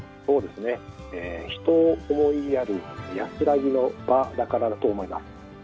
人を思いやる安らぎの場だからだと思います。